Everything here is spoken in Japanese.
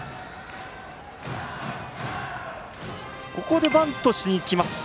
ここでバントしてきます。